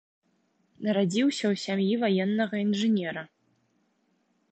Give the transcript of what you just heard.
Нарадзіўся ў сям'і ваеннага інжынера.